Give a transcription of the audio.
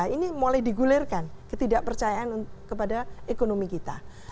ini mulai digulirkan ketidakpercayaan kepada ekonomi kita